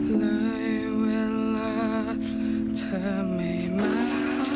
เลยเวลาเธอไม่มา